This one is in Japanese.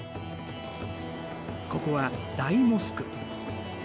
ここは大モスク。